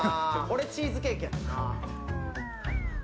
俺、チーズケーキ。